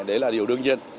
đấy là điều đương nhiên